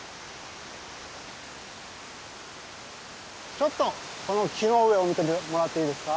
ちょっとこの木の上を見てもらっていいですか？